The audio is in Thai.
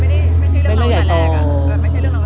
เค้าก็คิดว่ากลัวว่าเราจะไปโทรประดาษ